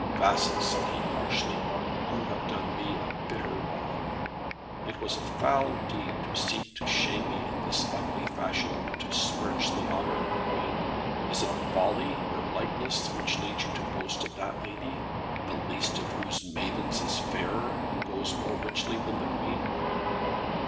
"Vassal," said he, harshly, "you have done me a bitter wrong. It was a foul deed to seek to shame me in this ugly fashion, and to smirch the honour of the Queen. Is it folly or lightness which leads you to boast of that lady, the least of whose maidens is fairer, and goes more richly, than the Queen?"